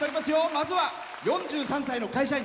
まずは４３歳の会社員。